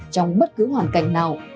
trong bất cứ hoàn cảnh nào